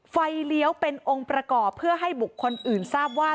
เลี้ยวเป็นองค์ประกอบเพื่อให้บุคคลอื่นทราบว่า